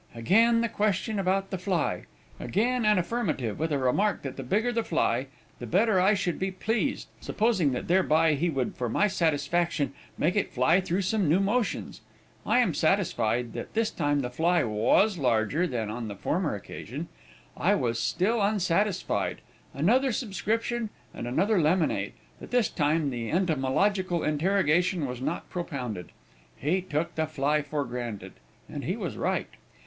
Again the question about the fly again an affirmative, with a remark that the bigger the fly, the better I should be pleased, supposing that thereby he would, for my satisfaction, make it fly through some new motions. I am satisfied that this time the fly was larger than on the former occasion. I was still unsatisfied; another subscription, and another lemonade, but this time the entomological interrogation was not propounded he took the fly for granted, and he was right.